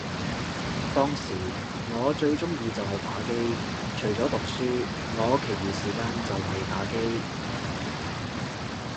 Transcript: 當時我最鍾意就係打機，除咗讀書，我其餘時間就係打機